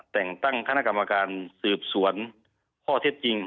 แต่งตั้งคณะกรรมการสืบสวนข้อเท็จจริง